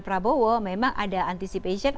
prabowo memang ada anticipation